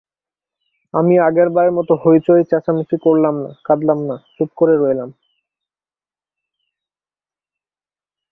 আমি আগেরবারের মত হৈচৈ চেঁচামেচি করলাম না, কাঁদলাম না, চুপ করে রইলাম।